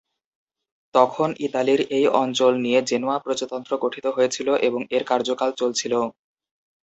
তখন ইতালীর এই অঞ্চল নিয়ে জেনোয়া প্রজাতন্ত্র গঠিত হয়েছিলো এবং এর কার্যকাল চলছিল।